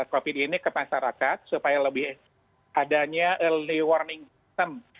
covid ini ke masyarakat supaya lebih adanya early warning system